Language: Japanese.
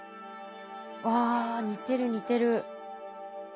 あ似てる似てる。